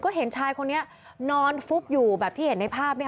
ก็เห็นชายคนนี้นอนฟุบอยู่แบบที่เห็นในภาพ